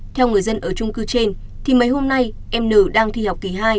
theo người dân ở trung cư trên thì mấy hôm nay em n đang thi học kỳ hai